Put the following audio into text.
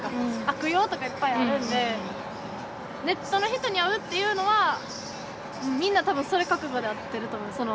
悪用とかいっぱいあるんでネットの人に会うっていうのはみんな多分それ覚悟で会ってると思う。